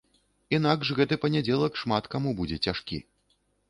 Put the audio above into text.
Інакш гэты панядзелак шмат каму будзе цяжкі.